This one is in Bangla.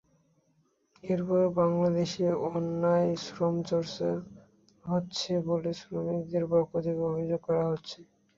এরপরও বাংলাদেশে অন্যায় শ্রমচর্চা হচ্ছে বলে শ্রমিকদের পক্ষ থেকে অভিযোগ করা হচ্ছে।